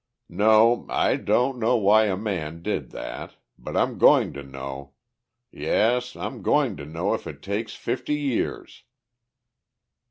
"No, I don't know why a man did that. But I'm going to know. Yes, I'm going to know if it takes fifty years."